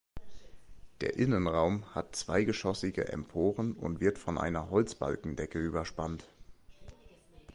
Der Innenraum hat zweigeschossige Emporen und wird von einer Holzbalkendecke überspannt.